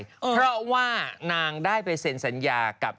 เพราะว่านางได้ไปเซ็นสัญญากับ